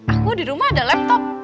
aku di rumah ada laptop